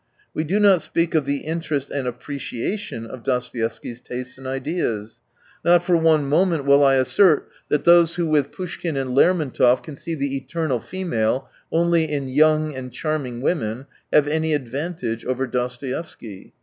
We do not speak of the interest and appreciation of Dostoevsky's tastes and ideas. Not for one moment will 156 I assert that those who with Poushkin and Lermontov can see the Eternal Female only in young and charming women, have any advantage over Dostoevsky.